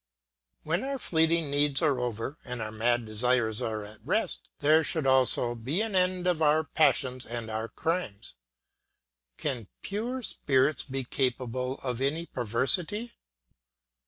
When our fleeting needs are over, and our mad desires are at rest, there should also be an end of our passions and our crimes. Can pure spirits be capable of any perversity?